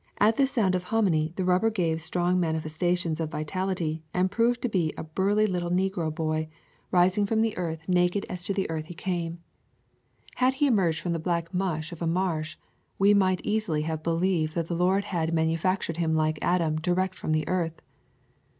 At the sound of "hominy" the rubber gave strong manifestations of vitality and proved to be a burly little negro boy, rising from the earth { 106 ] Florida Swamps and Forests naked as to the earth he came. Had he emerged from the black muck of a marsh, we might eas ily have believed that the Lord had manufac tured him like Adam direct from the earth.